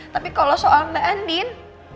tapi kalau soal mbak andin